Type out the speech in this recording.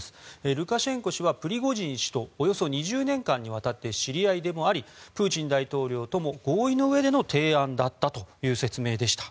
ルカシェンコ氏はプリゴジン氏とおよそ２０年間にわたって知り合いでもありプーチン大統領とも合意のうえでの提案だったという説明でした。